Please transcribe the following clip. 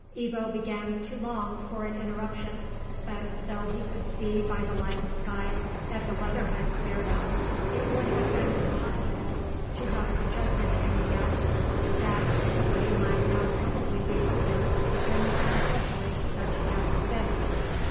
Ebbo began to long for an interruption, but, though he could see by the lightened sky that the weather had cleared up, it would have been impossible to have suggested to any guest that the way might now probably be open, and more especially to such a guest as this.